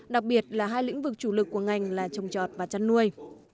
đặc biệt là hai lĩnh vực chủ lực của ngành là trồng trọt và chăn nuôi